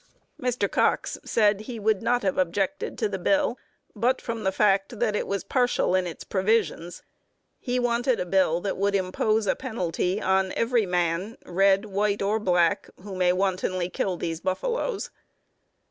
Mr. Cox said he would not have objected to the bill but from the fact that it was partial in its provisions. He wanted a bill that would impose a penalty on every man, red, white, or black, who may wantonly kill these buffaloes.